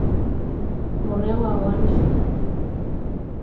Morreu ao ano seguinte.